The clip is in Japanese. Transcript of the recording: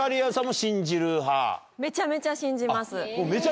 めちゃめちゃ信じる派？